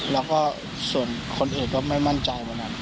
แล้วก็ส่วนคนอื่นก็ไม่มั่นใจวันนั้น